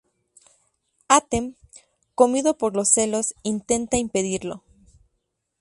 Hatem, comido por los celos, intenta impedirlo.